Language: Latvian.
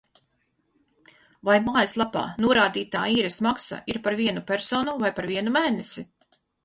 Vai mājaslapā norādītā īres maksa ir par vienu personu vai par vienu mēnesi?